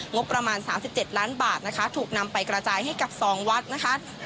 งบประมาณสามสิบเจ็ดล้านบาทนะคะถูกนำไปกระจายให้กับสองวัดนะคะ